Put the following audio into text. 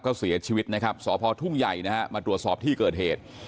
ก็เสียชีวิตนะครับสพทุ่งใหญ่นะฮะมาตรวจสอบที่เกิดเหตุ